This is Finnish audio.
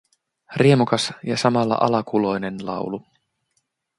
Riemukas ja samalla alakuloinen laulu.